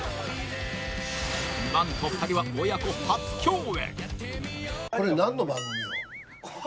何と２人は親子初共演！